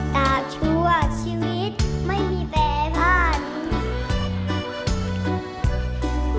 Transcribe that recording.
แต่ชั่วชีวิตไม่มีแปรพันธุ์